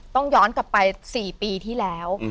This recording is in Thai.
ต้องย้อนกลับไป๔ปีที่แล้ว